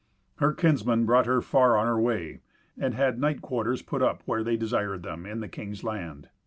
Her kinsmen brought her far on her way, and had night quarters put up where they desired them, in the king's land.